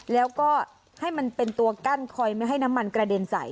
แล้วก็ให้มันเป็นตัวกั้นคอยไม่ให้น้ำมันกระเด็นใส